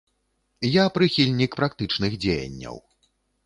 Я прыхільнік практычных дзеянняў.